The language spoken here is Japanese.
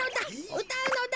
うたうのだ。